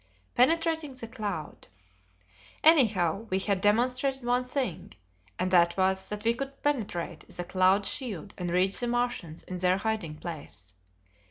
Penetrating the Cloud. Anyhow, we had demonstrated one thing, and that was that we could penetrate the cloud shield and reach the Martians in their hiding place.